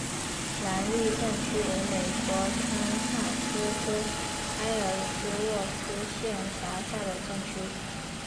兰利镇区为美国堪萨斯州埃尔斯沃思县辖下的镇区。